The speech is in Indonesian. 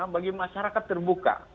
bagi masyarakat terbuka